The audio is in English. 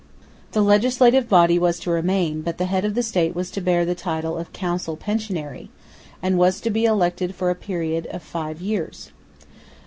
The Legislative Body was to remain, but the head of the State was to bear the title of council pensionary, and was to be elected for a period of five years.